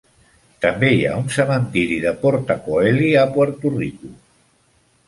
També hi ha un cementiri de Porta Coeli a Puerto Rico.